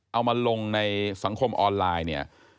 เอามาลงในสังคมออนไลน์เนี่ย